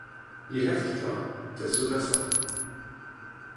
Je heftiger, desto besser!